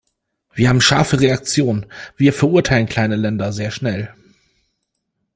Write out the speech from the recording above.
Wir haben scharfe Reaktionen, wir verurteilen kleine Länder sehr schnell.